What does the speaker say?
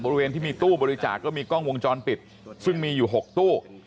บริเวณที่มีตู้บริจาคก็มีกล้องวงจรปิดซึ่งมีอยู่๖ตู้